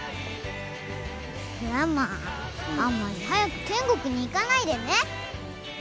グランマあんまり早く天国に行かないでね。